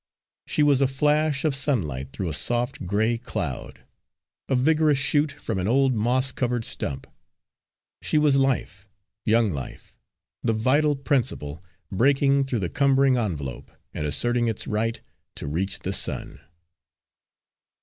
She was a flash of sunlight through a soft gray cloud; a vigorous shoot from an old moss covered stump she was life, young life, the vital principle, breaking through the cumbering envelope, and asserting its right to reach the sun.